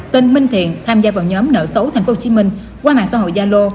tên minh thiện tham gia vào nhóm nợ xấu tp hcm qua mạng xã hội gia lô